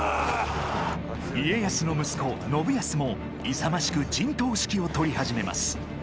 家康の息子・信康も勇ましく陣頭指揮を指揮を執り始めます。